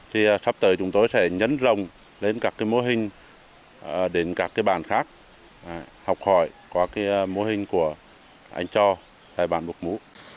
thì sắp tới chúng tôi sẽ nhấn rồng lên các mô hình đến các bàn khác học hỏi có mô hình của anh cho tại bàn bục mũ